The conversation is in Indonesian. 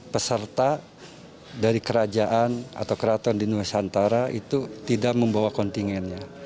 peserta dari kerajaan atau keraton di nusantara itu tidak membawa kontingennya